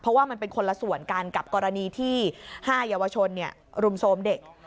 เพราะว่ามันเป็นคนละส่วนกันกับกรณีที่๕เยาวชนรุมโทรมเด็ก